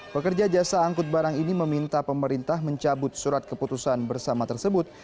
pekerja jasa angkut barang ini meminta pemerintah mencabut surat keputusan bersama tersebut